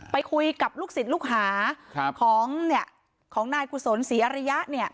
ไปคุยกับลูกศิษย์ลูกหาของนายกุศลศรีอริยะเนี่ย